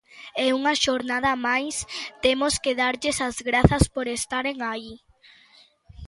E unha xornada máis temos que darlles as grazas por estaren aí.